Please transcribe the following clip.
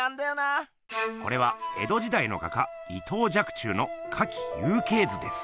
これは江戸時だいの画家伊藤若冲の「花卉雄鶏図」です。